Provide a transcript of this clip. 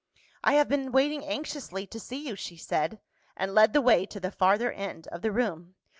"I have been waiting anxiously to see you," she said and led the way to the farther end of the room.